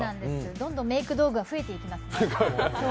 どんどんメーク道具が増えてきますね。